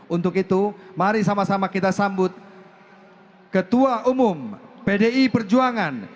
untuk itu mari sama sama kita sambut ketua umum pdi perjuangan